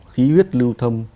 khí huyết lưu thâm